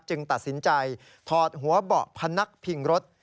ตัดสินใจถอดหัวเบาะพนักพิงรถ